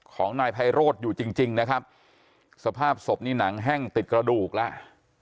ของนายไพโรธอยู่จริงจริงนะครับสภาพศพนี่หนังแห้งติดกระดูกแล้ว